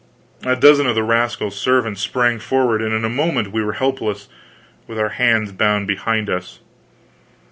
A dozen of the rascal's servants sprang forward, and in a moment we were helpless, with our hands bound behind us.